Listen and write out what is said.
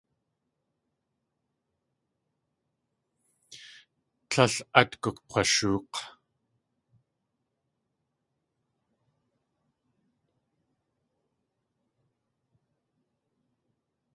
Tlél at gug̲washook̲.